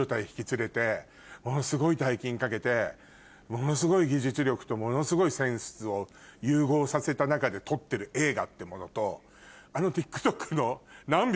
ものすごい大金かけてものすごい技術力とものすごいセンスを融合させた中で撮ってる映画ってものとあのＴｉｋＴｏｋの。